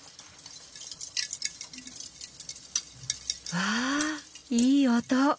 わあいい音。